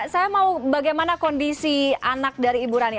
saya mau bagaimana kondisi anak dari ibu rani